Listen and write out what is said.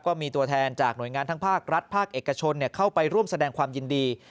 ก็มีตัวแทนจากหน่วยงานทั้งภาครัฐภาคเอกชนเข้าไปร่วมแสดงความยินดี